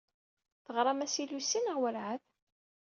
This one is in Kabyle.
Teɣramt-as i Lucy neɣ werɛad?